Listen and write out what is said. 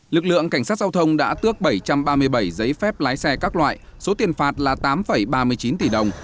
lực lượng cảnh sát giao thông đã tước bảy trăm ba mươi bảy giấy phép lái xe các loại số tiền phạt là tám ba mươi chín tỷ đồng